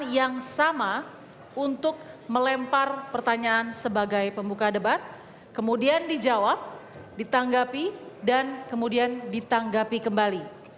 yang sama untuk melempar pertanyaan sebagai pembuka debat kemudian dijawab ditanggapi dan kemudian ditanggapi kembali